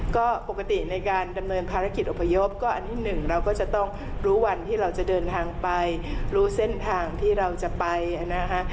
ก็ปกติในการดำเนินภารกิจอพยพก็อันนี้หนึ่งเราก็จะต้องรู้วันที่เราจะเดินทางไปรู้เส้นทางที่เราจะไปนะคะ